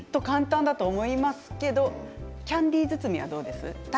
簡単だと思いますけどキャンデー包み、どうです？